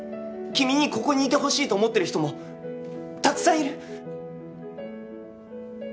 君にここにいてほしいと思ってる人もたくさんいる。